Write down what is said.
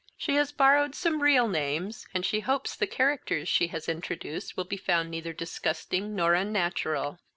She has borrowed some real names, and she hopes the characters she has introduced will be found neither disgusting nor unnatural.